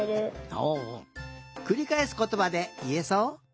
ほおくりかえすことばでいえそう？